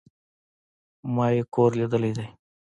ما ئې کور ليدلى دئ